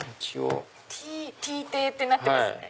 Ｔ邸ってなってますね。